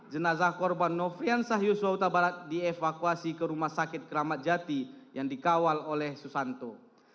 jenazah korban nofrian sahyus yota barat dievakuasi ke rumah sakit keramat jati yang dikawal oleh susanto